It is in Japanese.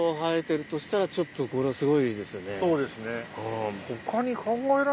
・そうですね・他に。